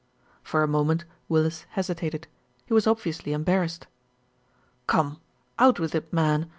For a moment Willis hesitated, he was obviously embarrassed. "Come, out with it, man